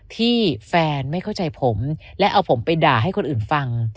ที่แฟนไม่เข้าใจผมและเอาผมไปด่าให้คนอื่นฟัง